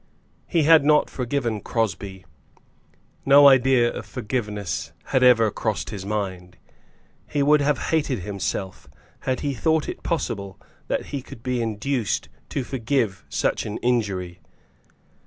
He had not forgiven Crosbie. No idea of forgiveness had ever crossed his mind. He would have hated himself had he thought it possible that he could be induced to forgive such an injury.